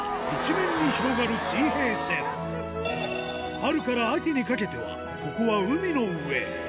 春から秋にかけてはここは海の上